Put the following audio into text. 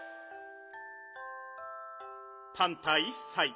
「パンタ１さい。